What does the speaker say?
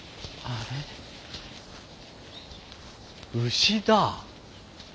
牛だ。